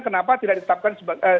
kenapa tidak ditetapkan